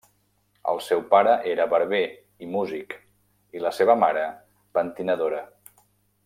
El seu pare era barber i músic i la seva mare, pentinadora.